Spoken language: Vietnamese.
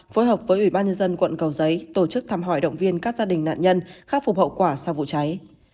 phối hợp với ubnd quận cầu giấy tổ chức thăm hỏi động viên các gia đình nạn nhân khắc phục hậu quả sau vụ cháy